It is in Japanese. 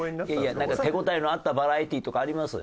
手応えのあったバラエティとかあります？